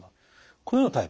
このようなタイプ。